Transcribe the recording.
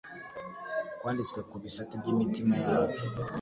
kwanditswe ku bisate by'imitima yabo.